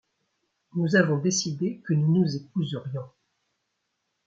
Nous avons décidé que nous nous épouserions.